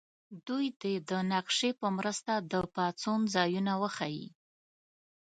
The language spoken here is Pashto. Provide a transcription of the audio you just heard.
دوی دې د نقشې په مرسته د پاڅون ځایونه وښیي.